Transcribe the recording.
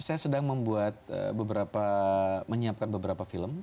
saya sedang membuat beberapa menyiapkan beberapa film